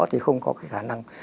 thì không có cái khả năng